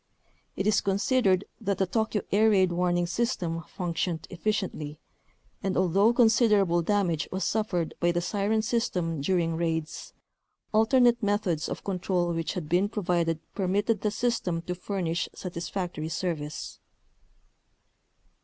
It is considered that the Tokyo air raid warning system func tioned efficiently, and although considerable damage was suffered by the siren system during raids, alternate methods of control which had been provided permitted the system to furnish satisfactory service.